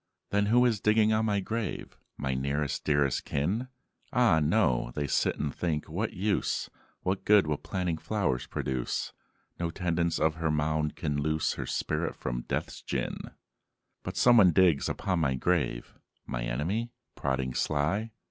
'" "Then who is digging on my grave, My nearest dearest kin?" "Ah, no: they sit and think, 'What use! What good will planting flowers produce? No tendance of her mound can loose Her spirit from Death's gin.'" "But someone digs upon my grave? My enemy? prodding sly?"